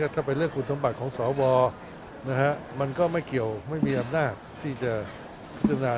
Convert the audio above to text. ถ้าเป็นเรื่องคุณสมบัติของสวมันก็ไม่เกี่ยวไม่มีอำนาจที่จะพิจารณา